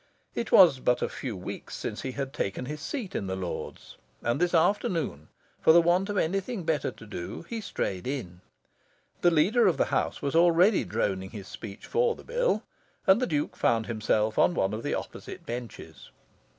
It was but a few weeks since he had taken his seat in the Lords; and this afternoon, for the want of anything better to do, he strayed in. The Leader of the House was already droning his speech for the bill, and the Duke found himself on one of the opposite benches.